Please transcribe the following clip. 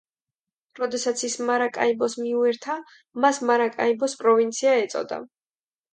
როდესაც ის მარაკაიბოს მიუერთა, მას მარაკაიბოს პროვინცია ეწოდა.